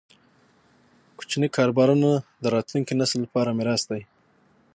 کوچني کاروبارونه د راتلونکي نسل لپاره میراث دی.